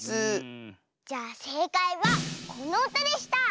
じゃあせいかいはこのうたでした。